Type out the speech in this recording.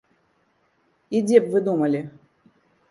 І дзе б вы думалі?